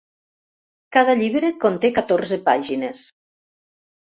Cada llibre conté catorze pàgines.